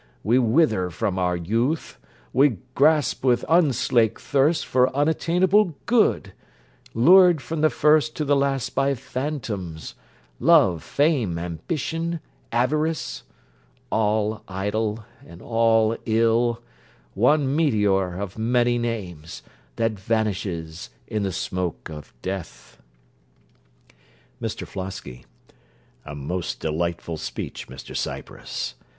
We wither from our youth; we gasp with unslaked thirst for unattainable good; lured from the first to the last by phantoms love, fame, ambition, avarice all idle, and all ill one meteor of many names, that vanishes in the smoke of death. MR FLOSKY A most delightful speech, Mr Cypress.